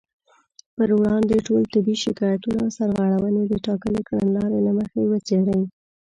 پر وړاندې ټول طبي شکايتونه او سرغړونې د ټاکلې کړنلارې له مخې وڅېړي